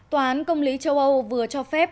tòa án công lý châu âu vừa cho phép